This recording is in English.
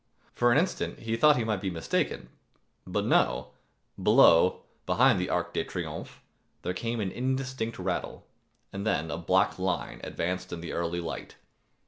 For an instant he thought he might be mistaken; but no, below, behind the Arc de Triomphe, there came an indistinct rattle and then a black line advanced in the early light.